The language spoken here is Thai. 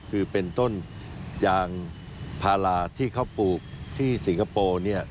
คือเป็นต้นยางพาราที่เขาปลูกที่สิงคโปร์